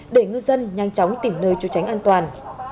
để ngư dân nhanh chóng tìm nơi trú tránh an toàn